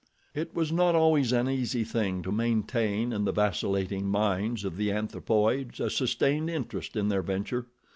It was not always an easy thing to maintain in the vacillating minds of the anthropoids a sustained interest in their venture.